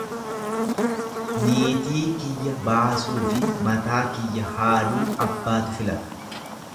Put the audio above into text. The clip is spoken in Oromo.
Niitii kiyya baasuufi mataa kiyya haaduu abbaatu filata.